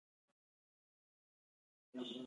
مس د افغانستان د ټولنې لپاره بنسټيز رول لري.